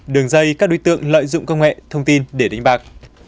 đường dây các đối tượng lợi dụng công nghệ thông tin để đánh bạc